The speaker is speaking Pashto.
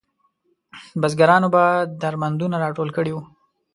بزګرانو به درمندونه راټول کړي وو.